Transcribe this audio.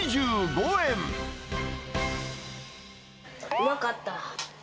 うまかった。